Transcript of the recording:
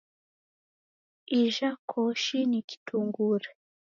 Ija koshi ni kitungure.